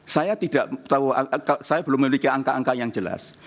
saya belum memiliki angka angka yang jelas